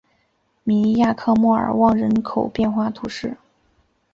米尼亚克莫尔旺人口变化图示